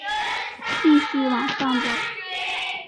继续往上走